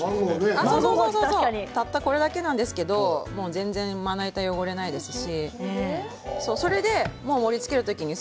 たったこれだけなんですけど全然まな板が汚れないですし盛りつける時に入れます。